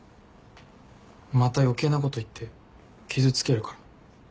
また余計なこと言って傷つけるから。